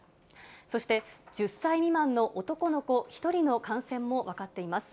そして１０歳未満の男の子１人の感染も分かっています。